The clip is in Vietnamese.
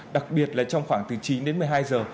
đặc biệt là trong khoảng từ chín đến một mươi hai giờ